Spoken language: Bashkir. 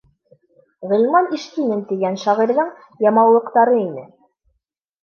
Ғилман Ишкинин тигән шағирҙың «Ямаулыҡ»тары ине.